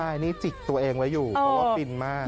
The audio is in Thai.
ใช่นี่จิกตัวเองไว้อยู่เพราะว่าฟินมาก